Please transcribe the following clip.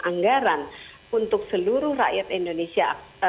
anggaran untuk seluruh rakyat indonesia